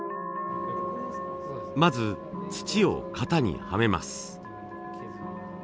まず土を型にはめます。